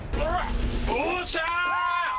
よっしゃ！